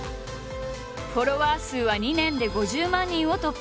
フォロワー数は２年で５０万人を突破！